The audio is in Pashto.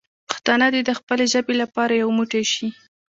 پښتانه دې د خپلې ژبې لپاره یو موټی شي.